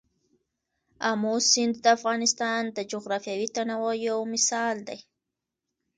آمو سیند د افغانستان د جغرافیوي تنوع یو مثال دی.